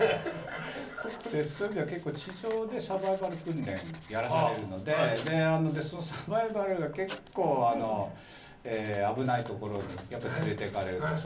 そういう意味では地上でサバイバル訓練やらされるのでサバイバルは結構危ないところに連れていかれる。